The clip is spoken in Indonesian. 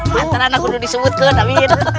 mantra mah udah disebutkan amin